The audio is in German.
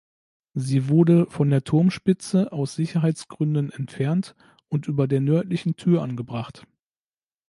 Sie wurde von der Turmspitze aus Sicherheitsgründen entfernt und über der nördlichen Tür angebracht.